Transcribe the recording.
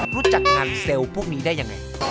รู้จักงานเซลล์พวกนี้ได้ยังไง